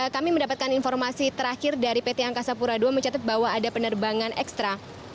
kami mendapatkan informasi terakhir dari pt angkasa pura ii mencatat bahwa ada penerbangan ekstra